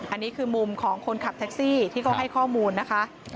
อันนี้คือมุมของคนขับแท็กซี่ที่เขาให้ข้อมูลนะคะ